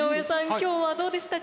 今日はどうでしたか？